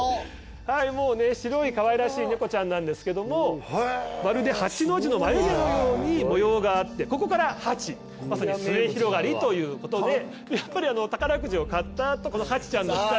はいもうね白いかわいらしい猫ちゃんなんですけどもまるで八の字の眉毛のように模様があってここからハチまさに末広がりということでやっぱり宝くじを買ったあとこのハチちゃんの額を。